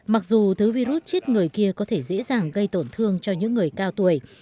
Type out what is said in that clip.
mặc dù thứ virus chết người kia có thể dễ dàng gây tổn thương cho những người cao tuổi